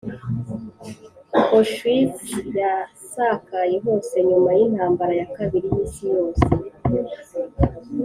Auschwitz yasakaye hose nyuma y'intambara ya kabiri y'isi yose.